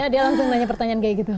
dia langsung tanya pertanyaan kayak gitu